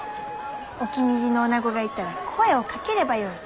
お気に入りのおなごがいたら声をかければよい。